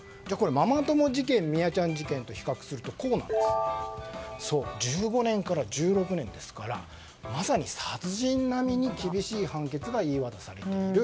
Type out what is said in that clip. ママ友事件、心愛ちゃん事件を比較すると１５年から１６年ですからまさに殺人並みに厳しい判決が言い渡されている。